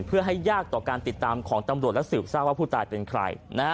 เพื่อให้ยากต่อการติดตามของตำรวจและสืบทราบว่าผู้ตายเป็นใคร